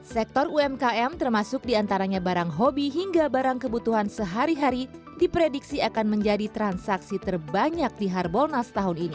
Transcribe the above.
sektor umkm termasuk diantaranya barang hobi hingga barang kebutuhan sehari hari diprediksi akan menjadi transaksi terbanyak di harbolnas tahun ini